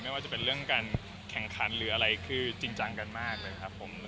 แข่งครั้นหรืออะไรคือจริงจังกันมากเลยครับผม